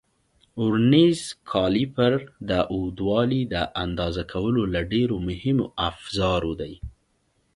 ورنیز کالیپر د اوږدوالي د اندازه کولو له ډېرو مهمو افزارو دی.